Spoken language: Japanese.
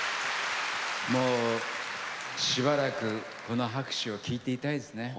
もうしばらく、この拍手を聴いていたいですね。